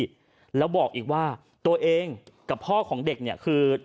แล้วบอกอีกว่าตัวเองกับพ่อของเด็กเนี่ยคือ